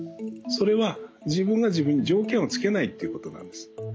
それは自分が自分に条件をつけないということなんです。